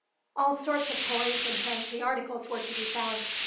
All sorts of toys and fancy articles were to be found.